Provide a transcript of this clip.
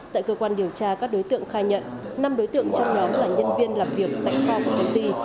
tại cơ quan điều tra các đối tượng khai nhận năm đối tượng trong nhóm là nhân viên làm việc tại kho của công ty